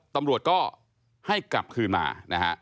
ตำรวจก็ให้กลับคืนมานะฮะ